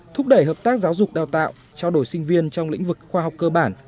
thúc đẩy hợp tác giáo dục đào tạo trao đổi sinh viên trong lĩnh vực khoa học cơ bản